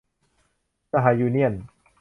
สหยูเนี่ยน